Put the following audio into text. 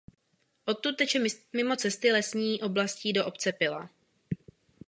Odtud teče mimo cesty lesní oblastí do obce Pila.